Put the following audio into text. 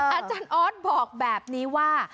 อาจารย์ออสบอกแบบนี้ว่า